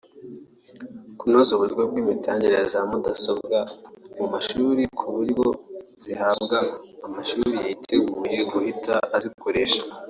Kunoza uburyo bw’imitangire ya za mudasobwa mu mashuri ku buryo zihabwa amashuri yiteguye guhita azikoresha